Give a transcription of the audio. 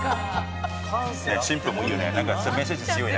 シンプルもいいよね。